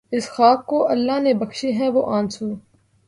اس خاک کو اللہ نے بخشے ہیں وہ آنسو